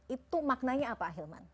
itu maknanya apa ahilman